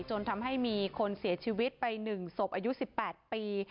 จนทำให้มีคนเสียชีวิตไป๑ศพอายุ๑๘ปี